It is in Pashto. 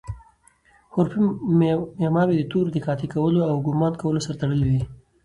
حروفي معماوي د تورو د قاطع کولو او ګومان کولو سره تړلي دي.